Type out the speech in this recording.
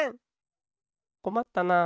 こまったな。